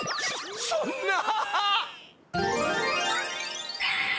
そそんな！